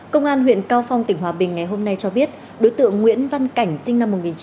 công an huyện cao phong tỉnh hòa bình ngày hôm nay cho biết đối tượng nguyễn văn cảnh sinh năm một nghìn chín trăm tám mươi